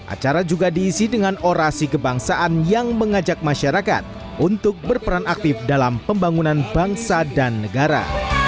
acara juga diisi dengan orasi kebangsaan yang mengajak masyarakat untuk berperan aktif dalam pembangunan bangsa dan negara